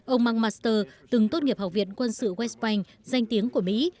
ông mcmaster từng tốt nghiệp học viện quân sự west bank danh tiếng của mỹ